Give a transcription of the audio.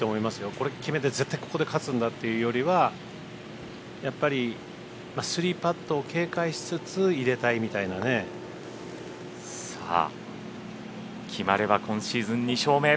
これ決めて絶対ここで勝つんだというよりはやっぱり３パットを警戒しつつ決まれば今シーズン２勝目。